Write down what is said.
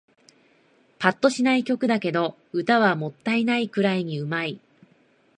ぱっとしない曲だけど、歌はもったいないくらいに上手い